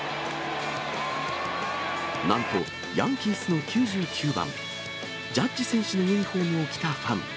なんとヤンキースの９９番、ジャッジ選手のユニホームを着たファン。